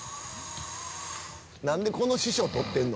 何でこの師匠撮ってんの？